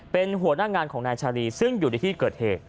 เป็นหัวหน้างานของนายชาลีซึ่งอยู่ในที่เกิดเหตุ